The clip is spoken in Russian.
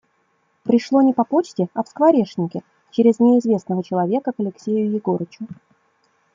Пришло не по почте, а в Скворешники через неизвестного человека к Алексею Егорычу.